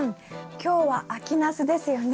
今日は秋ナスですよね？